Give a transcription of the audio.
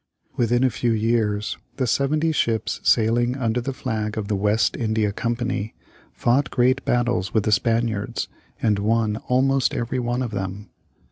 Within a few years, the seventy ships sailing under the flag of the West India Company, fought great battles with the Spaniards, and won almost every one of them.